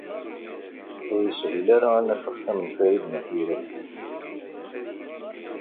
Ur yeshil ara ad naf axxam n Farid n At Yiraten.